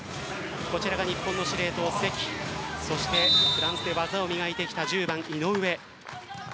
こちらが日本の司令塔・関フランスで技を磨いてきた１０番・井上。